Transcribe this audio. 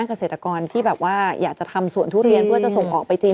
เกษตรกรที่แบบว่าอยากจะทำสวนทุเรียนเพื่อจะส่งออกไปจีน